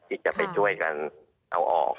ที่จะไปช่วยกันเอาออก